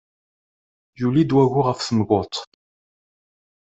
Yuli-d wagu ɣef temguḍt.